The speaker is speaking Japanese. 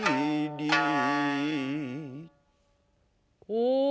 お！